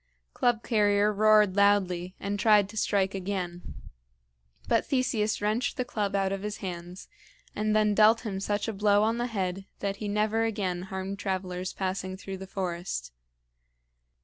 Club carrier roared loudly, and tried to strike again; but Theseus wrenched the club out of his hands, and then dealt him such a blow on the head that he never again harmed travelers passing through the forest.